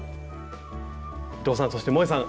伊藤さんそしてもえさん